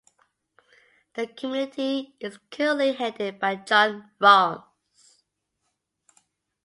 The committee is currently headed by John Rognes.